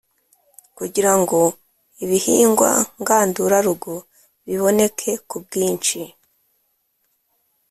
kugira ngo ibihingwa ngandurarugo biboneke ku bwinshi